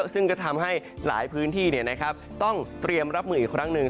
ซึ่งก็ทำให้หลายพื้นที่ต้องเตรียมรับมืออีกครั้งหนึ่ง